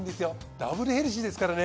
ダブルヘルシーですからね。